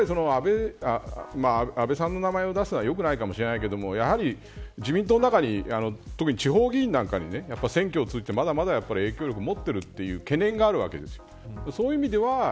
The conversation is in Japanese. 安倍さんの名前を出すのは良くないかもしれないけどやはり自民党の中に特に地方議員なんかに選挙を通じて、まだまだ影響力を持っているという懸念があるわけです。